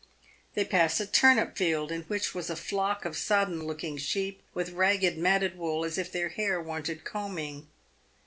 They passed a turnip field in which was a flock of sodden looking sheep with ragged, matted wool, as if their hair wanted combing.